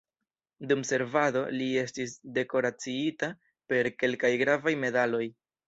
Dum servado li estis dekoraciita per kelkaj gravaj medaloj.